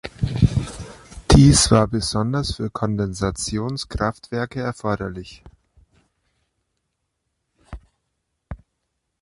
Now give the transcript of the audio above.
Dies war besonders für Kondensation-Kraftwerke erforderlich.